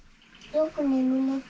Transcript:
よく眠れた？